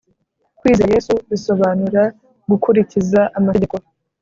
Kwizera Yesu bisobanura gukurikiza amategeko